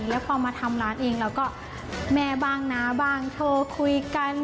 แล้วพอมาทำร้านเองเราก็แม่บ้างนะบ้างโทรคุยกัน